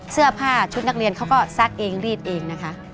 เสื้อผ้าชุดนักเรียนเขาก็ซักเองรีดเองนะคะ